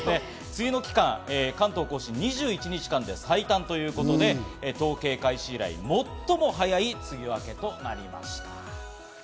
梅雨の期間、関東甲信２１日間で最短ということで、統計開始以来、最も早い梅雨明けとなりました。